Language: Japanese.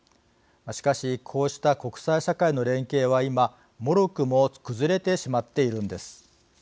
しかしこうした国際社会の連携は今、もろくも崩れてしまっているんです。